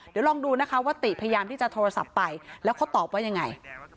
เดี๋ยวลองดูนะคะว่าติพยายามที่จะโทรศัพท์ไปแล้วเขาตอบว่ายังไง